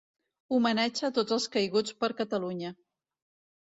Homenatge a tots els caiguts per Catalunya.